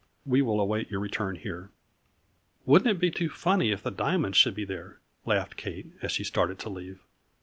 We will await your return here." " Wouldn't it be too funny if the diamonds should be there ?" laughed Kate, as she started to leave.